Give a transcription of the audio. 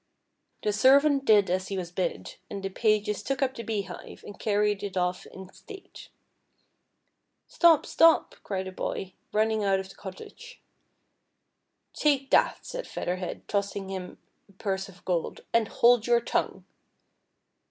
The servant did as he was bid, and the pages took up the beehive, and carried it off in state. " Stop, stop !" cried a boy, running out of the cot tacre. FFATIIJ^.R HEAD. 23Q "Take that," said Feather Head, tossing him a purse oi gold, "and hold your tongue."